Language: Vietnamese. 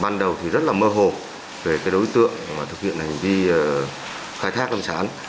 ban đầu thì rất là mơ hồ về đối tượng thực hiện hành vi khai thác lâm sáng